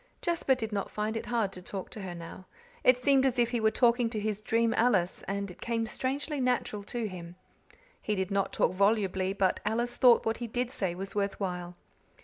Jasper did not find it hard to talk to her now; it seemed as if he were talking to his dream Alice, and it came strangely natural to him. He did not talk volubly, but Alice thought what he did say was worth while.